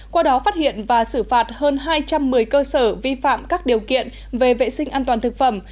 qua đó phát hiện và xử phạt hơn hai trăm một mươi cơ sở vi phạm các điều kiện về vệ sinh an toàn thực phẩm